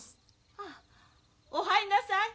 ・ああお入んなさい！